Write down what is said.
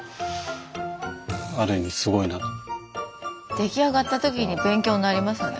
出来上がった時に勉強になりますよね。